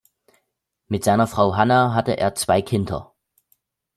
Mit seiner Frau Hannah hatte er zwei Kinder.